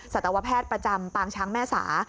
สัตวแพทย์ประจำปางช้างแม่สา